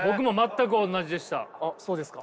あっそうですか。